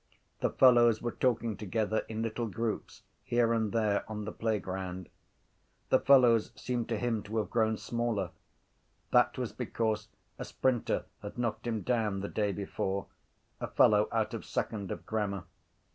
The fellows were talking together in little groups here and there on the playground. The fellows seemed to him to have grown smaller: that was because a sprinter had knocked him down the day before, a fellow out of second of grammar.